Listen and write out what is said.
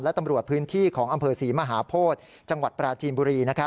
และตำรวจพื้นที่ของอำเภอศรีมหาโพธิจังหวัดปราจีนบุรี